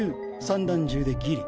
散弾銃でギリ。